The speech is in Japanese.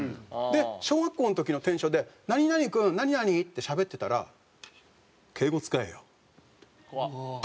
で小学校の時のテンションで「何々君何々」ってしゃべってたら「敬語使えよ」って。